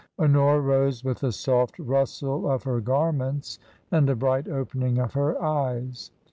Honora rose with a soft rustle of her garments and a bright opening of her eyes.